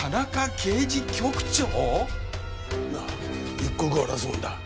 なあ一刻を争うんだ。